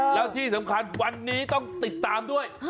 แล้วที่สำคัญวันนี้ต้องติดตามด้วย